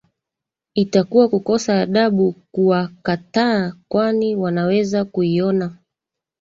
itakuwa kukosa adabu kuwakataa kwani wanaweza kuiona